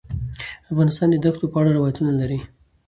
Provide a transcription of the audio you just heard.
افغانستان د دښتو په اړه روایتونه لري.